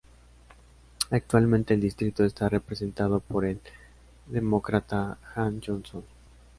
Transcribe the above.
Actualmente el distrito está representado por el Demócrata Hank Johnson.